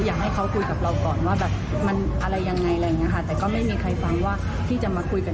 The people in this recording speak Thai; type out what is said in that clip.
อยากให้เขาคุยกับเราก่อนว่ามันอะไรยังไงแต่ก็ไม่มีใครฟังว่าที่จะมาคุยกัน